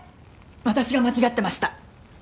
私が間違ってました。